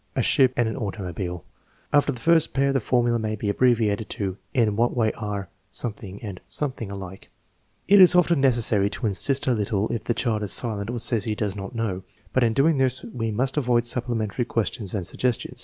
A ship and an automobile. After the first pair the formula may be abbreviated to " In what way are ... and ... alike ?" It is often necessary to insist a little if the child is silent or says he does not know, but in doing this we must avoid supplemen tary questions and suggestions.